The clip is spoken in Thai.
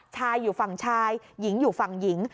อยู่ฝั่งชายหญิงอยู่ฝั่งหญิง